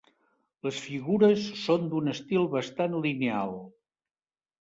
Les figures són d'un estil bastant lineal.